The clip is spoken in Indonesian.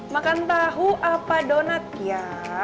makan tahu apa donat ya